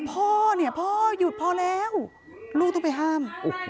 พ่อเนี่ยพ่อหยุดพอแล้วลูกต้องไปห้าม